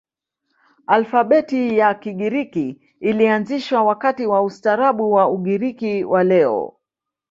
Alfabeti ya Kigiriki ilianzishwa wakati wa ustaarabu wa Ugiriki wa leo.